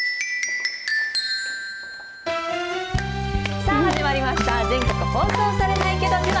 さぁ始まりました全国放送されないけど自慢。